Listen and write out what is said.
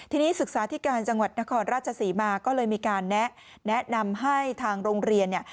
ทีนี้ศึกษาที่การจังหวัดนครราชศรีมาก็เลยมีการแนะนำให้ทางโรงเรียนเนี่ย